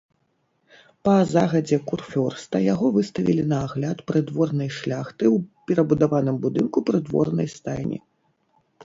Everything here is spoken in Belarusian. Па загадзе курфюрста яго выставілі на агляд прыдворнай шляхты ў перабудаваным будынку прыдворнай стайні.